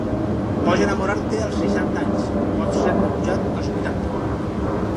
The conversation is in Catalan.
Pots enamorar-te als seixanta anys; pots ser rebutjat als vuitanta.